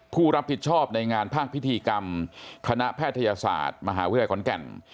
ผู้รับผิดชอบในงานภาคพิธีกรรมคณะแพทยศาสตร์มหาวิทยาลัยขอนแก่น